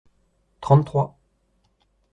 Trente-trois.